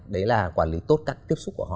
đấy là quản lý tốt các tiếp xúc của họ